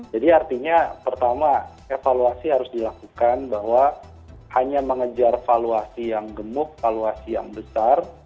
jadi artinya pertama evaluasi harus dilakukan bahwa hanya mengejar valuasi yang gemuk valuasi yang besar